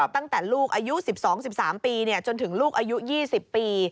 ตั้งแต่ลูกอายุ๑๒๑๓ปีจนถึงลูกอายุ๒๐ปี